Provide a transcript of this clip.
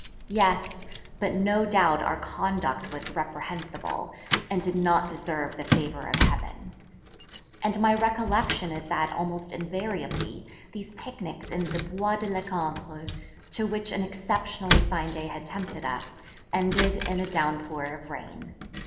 Yes; but no doubt our conduct was reprehensible, and did not deserve the favour of Heaven. And my recollection is that almost invariably these picnics in the Bois de la Cambre, to which an exceptionally fine day had tempted us, ended in a downpour of rain.